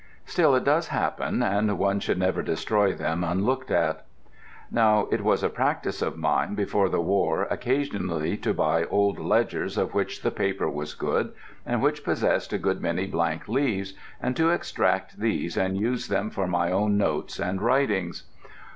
Still it does happen, and one should never destroy them unlooked at. Now it was a practice of mine before the war occasionally to buy old ledgers of which the paper was good, and which possessed a good many blank leaves, and to extract these and use them for my own notes and writings.